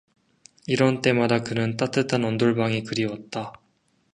이런 때마다 그는 따뜻한 온돌방이 그리웠다.